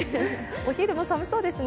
お昼も寒そうですね。